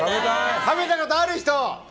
食べたことある人！